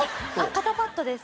肩パッドです。